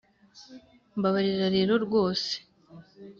mbabarira rero rwose